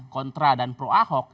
kontra dan pro ahok